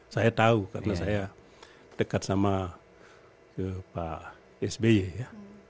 saya tahu karena saya dekat sama pak sby ya